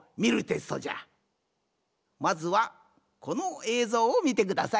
まずはこのえいぞうをみてください。